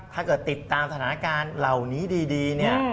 ติดตามสถานการณ์เหล่านี้ดีเนี่ย